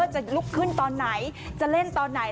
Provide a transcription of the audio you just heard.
จะลุกขึ้นตอนไหนจะเล่นตอนไหน